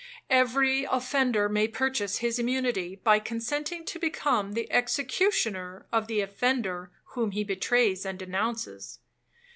Every offender may purchase his immunity, by consenting to become the executioner of the offender whom he betrays and denounces.